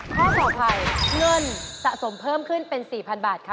ข้อต่อไปเงินสะสมเพิ่มขึ้นเป็น๔๐๐๐บาทค่ะ